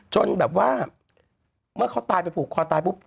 จนแบบว่าเมื่อเขาตายไปผูกคอตายปุ๊บ